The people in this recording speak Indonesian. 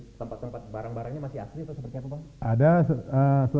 tempat tempat barang barangnya masih asli atau seperti apa bang